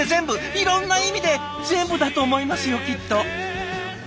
いろんな意味で全部だと思いますよきっと。